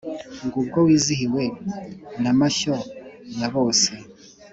ngo ubwo wizihiwe na mashyo ya bose,